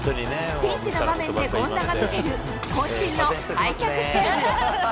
ピンチの場面で権田が見せる、こん身の開脚セーブ。